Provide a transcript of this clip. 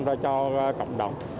và cho cộng đồng